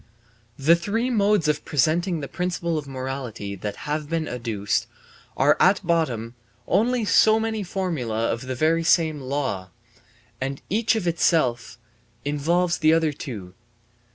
The three modes of presenting the principle of morality that have been adduced are at bottom only so many formulae of the very same law, and each of itself involves the other two.